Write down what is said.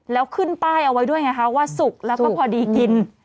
แล้วขึ้นป้ายเอาไว้ด้วยไงคะว่าสุกแล้วก็พอดีกิน